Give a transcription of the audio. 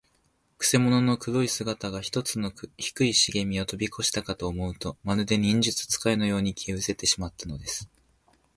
くせ者の黒い姿が、ひとつの低いしげみをとびこしたかと思うと、まるで、忍術使いのように、消えうせてしまったのです。